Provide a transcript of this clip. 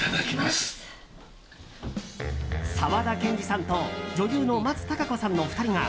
沢田研二さんと女優の松たか子さんの２人が